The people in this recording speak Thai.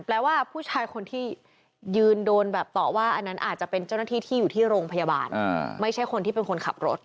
แปลว่าผู้ชายคนที่ยืนโดนแบบต่อว่าอันนั้นอาจจะเป็นเจ้าหน้าที่ที่อยู่ที่โรงพยาบาลไม่ใช่คนที่เป็นคนขับรถ